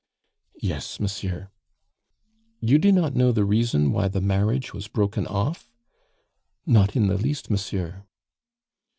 "Yes, monsieur." "You do not know the reason why the marriage was broken off?" "Not in the least, monsieur."